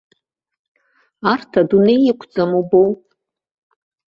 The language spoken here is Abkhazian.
Арҭ адунеи иқәӡам убоу!